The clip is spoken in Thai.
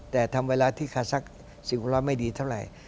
แต่ทำเวลาที่คาซัก๔๖ไม่ดีเท่าไหร่